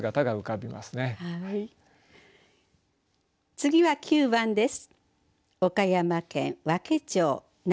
次は９番です。